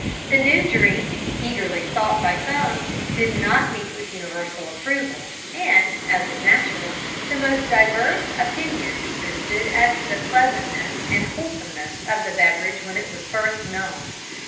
The new drink, eagerly sought by some, did not meet with universal approval, and, as was natural, the most diverse opinions existed as to the pleasantness and wholesomeness of the beverage when it was first known.